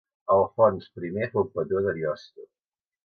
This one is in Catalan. Alfons I fou patró d'Ariosto.